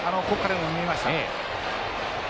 ここからでも見えました。